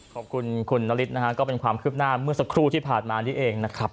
ขอบคุณคุณนฤทธินะฮะก็เป็นความคืบหน้าเมื่อสักครู่ที่ผ่านมานี้เองนะครับ